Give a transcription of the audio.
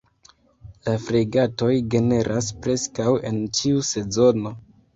La fregatoj generas preskaŭ en ĉiu sezono.